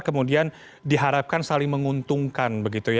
kemudian diharapkan saling menguntungkan